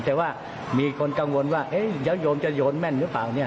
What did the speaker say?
แต่ว่ามีคนกังวลว่าเฮ้ยเดี๋ยวยมจะโยนแม่นหรือเปล่า